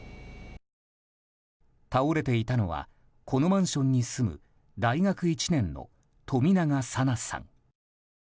倒れていたのはこのマンションに住む大学１年の冨永紗菜さん。